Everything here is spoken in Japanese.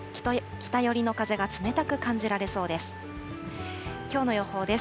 北寄りの風が冷たく感じられそうです。